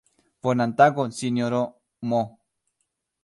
Bonan tagon sinjoro M.!